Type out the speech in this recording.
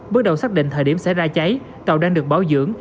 bước đầu xác định thời điểm sẽ ra cháy tàu đang được báo dưỡng